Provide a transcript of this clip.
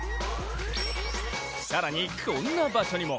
更にこんな場所にも。